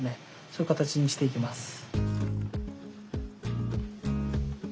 そういう形にしていきます。